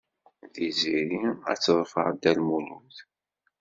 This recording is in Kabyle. Tiziri ad teḍfer Dda Lmulud.